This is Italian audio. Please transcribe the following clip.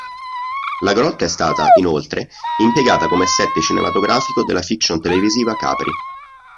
La grotta è stata, inoltre, impiegata come set cinematografico della fiction televisiva "Capri".